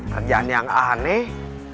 kerjaan yang aneh